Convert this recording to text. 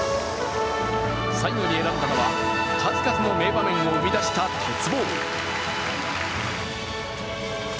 最後に選んだのは数々の名場面を生み出した鉄棒。